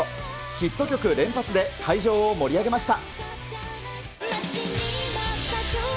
ヒット曲連発で会場を盛り上げました。